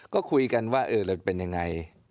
ก็คุยกันว่าเราเป็นยังไง